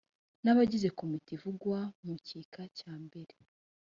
n abagize komite ivugwa mu gika cya mbere